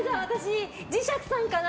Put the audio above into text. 磁石さんかな。